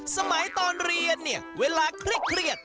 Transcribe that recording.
ตอนเรียนเนี่ยเวลาเครียด